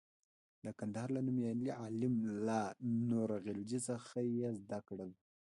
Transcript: د کندهار له نومیالي عالم ملا نور غلجي څخه یې زده کړل.